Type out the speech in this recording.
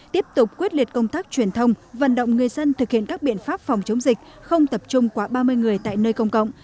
tiếp tục quyết liệt công tác truyền thông vận động người dân thực hiện các biện pháp phòng chống dịch không tập trung quá ba mươi người tại nơi công cộng